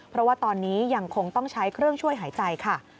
เพราะว่าตอนนี้ยังคงต้องใช้เครื่องช่วยหายใจค่ะ